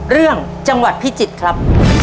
เรื่องจังหวัดพิจิตรครับ